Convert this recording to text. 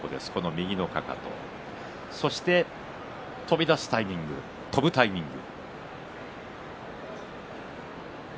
右のかかとそして飛び出すタイミング飛ぶタイミング。